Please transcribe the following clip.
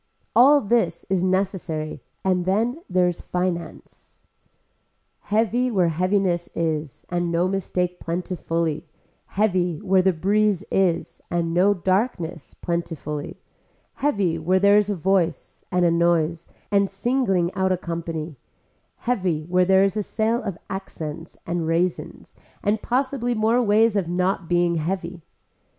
All this is necessary and then there is finance. Heavy where heaviness is and no mistake plentifully, heavy where the breeze is and no darkness plentifully, heavy where there is a voice and a noise and singling out a company, heavy where there is a sale of accents and raisins and possibly more ways of not being heavy.